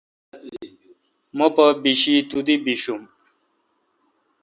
مہ پہ بشی تو دی بیشم۔